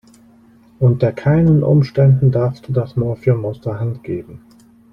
Unter keinen Umständen darfst du das Morphium aus der Hand geben.